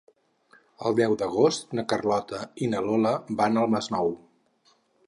El deu d'agost na Carlota i na Lola van al Masnou.